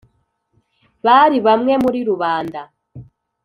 bari bamwe muri rubanda.